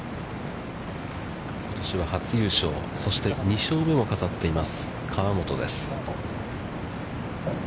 ことしは初優勝、そして、２勝目を飾っています河本です。